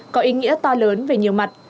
có ý nghĩa to lớn về nhiều mặt